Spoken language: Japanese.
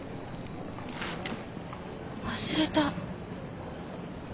忘れた。